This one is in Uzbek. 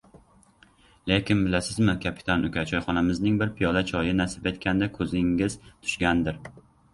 Lekin bilasizmi, kapitan uka, choyxonamizning bir piyola choyi nasib etganda ko‘zingiz tushgandir